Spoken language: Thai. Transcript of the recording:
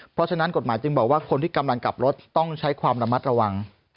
เพราะฉะนั้นกฎหมายจึงบอกว่าคนที่กำลังกลับรถต้องใช้ความระมัดระวัง